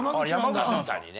確かにね。